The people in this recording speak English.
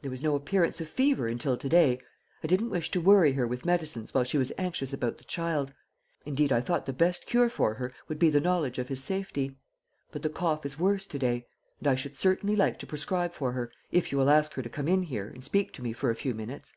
"There was no appearance of fever until to day. I didn't wish to worry her with medicines while she was anxious about the child; indeed, I thought the best cure for her would be the knowledge of his safety. But the cough is worse to day; and I should certainly like to prescribe for her, if you will ask her to come in here and speak to me for a few minutes."